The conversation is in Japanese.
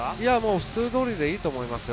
普通どおりでいいと思いますよ。